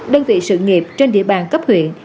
đơn vị sự nghiệp trên địa bàn cấp huyện